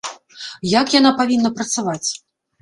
Як яна павінна працаваць?